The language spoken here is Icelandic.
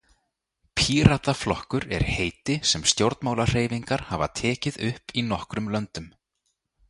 Pírataflokkur er heiti sem stjórnmálahreyfingar hafa tekið upp í nokkrum löndum.